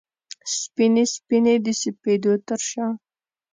سپینې، سپینې د سپېدو ترشا